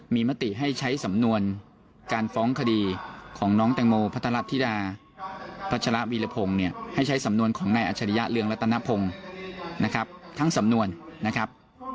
มีมติให้ใช้สำนวนการฟ้องคดีของน้องแตงโมพัทรัธิดาพัชระวีรพงศ์เนี่ยให้ใช้สำนวนของนายอัชริยะเรืองรัตนพงศ์นะครับทั้งสำนวนนะครับ